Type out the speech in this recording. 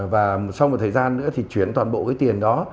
và sau một thời gian nữa thì chuyển toàn bộ cái tiền đó